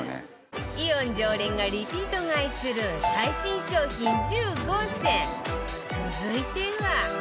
イオン常連がリピート買いする最新商品１５選続いては中丸：